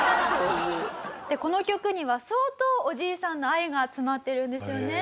この曲には相当おじいさんの愛が詰まってるんですよね。